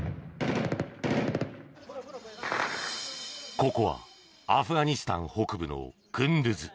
ここはアフガニスタン北部のクンドゥズ。